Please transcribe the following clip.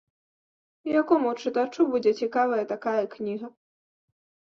Якому чытачу будзе цікавая такая кніга?